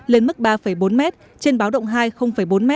lên mức ba bốn m trên báo động hai bốn m